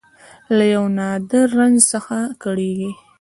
له یو نادر رنځ څخه کړېږي